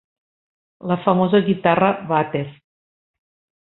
La famosa guitarra "vàter"